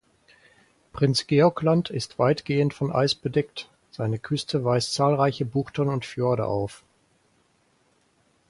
Prinz-Georg-Land ist weitgehend von Eis bedeckt, seine Küste weist zahlreiche Buchten und Fjorde auf.